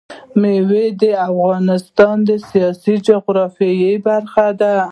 مېوې د افغانستان د سیاسي جغرافیه برخه ده.